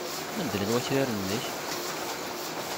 Anda llan wakraren-nnek?